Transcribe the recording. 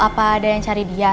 apa ada yang cari dia